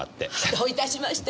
どういたしまして。